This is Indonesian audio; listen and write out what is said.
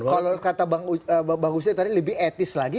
kalau kata bang hussein tadi lebih etis lagi